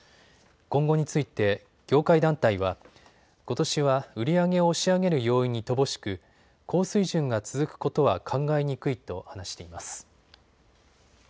今後について業界団体はことしは売り上げを押し上げる要因に乏しく高水準が続くことは考えにくいと話しています。